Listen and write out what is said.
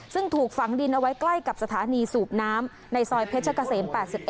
ซึ่งถูกฝังดินเอาไว้ใกล้กับสถานีสูบน้ำในซอยเพชรเกษม๘๑